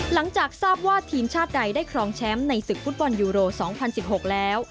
หลังจากทราบว่าทีมชาติใดได้ครองแชมป์ในศึกฟุตบอลยูโร๒๐๑๖แล้ว